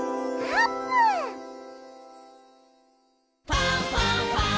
「ファンファンファン」